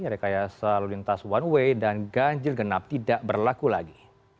rekayasa lalu lintas one way dan ganjil genap tidak berlaku lagi